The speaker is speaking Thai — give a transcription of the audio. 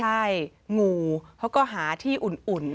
ใช่งูเขาก็หาที่อุ่น